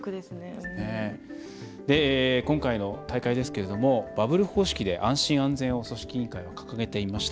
今回の大会ですけどバブル方式で安全・安心を組織委員会は掲げていました。